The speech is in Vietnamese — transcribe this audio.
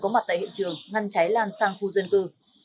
có mặt tại hiện trường ngăn cháy lan sang khu dân cư